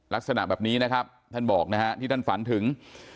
ลักษณะแบบนี้ที่ท่านฝันถึง